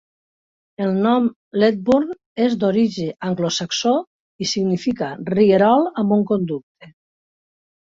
El nom Ledburn és d'origen anglosaxó, i significa "rierol amb un conducte".